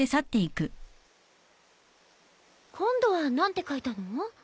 今度は何て書いたの？